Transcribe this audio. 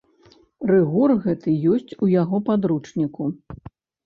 Рыгор гэты ёсць у яго падручніку.